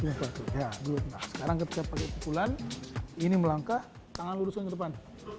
nah sekarang ketika pakai pukulan ini melangkah tangan luruskan ke depan